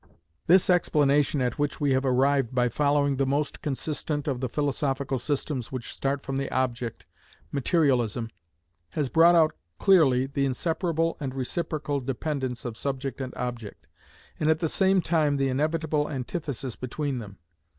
This explanation at which we have arrived by following the most consistent of the philosophical systems which start from the object, materialism, has brought out clearly the inseparable and reciprocal dependence of subject and object, and at the same time the inevitable antithesis between them.